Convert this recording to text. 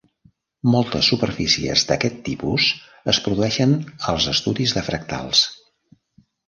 Moltes superfícies d"aquest tipus es produeixen als estudis de fractals.